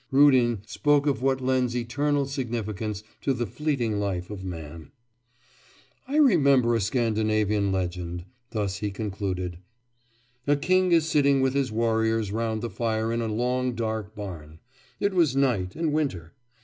Rudin spoke of what lends eternal significance to the fleeting life of man. 'I remember a Scandinavian legend,' thus he concluded, 'a king is sitting with his warriors round the fire in a long dark barn. It was night and winter.